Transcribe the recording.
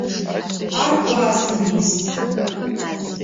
Ар классым ис.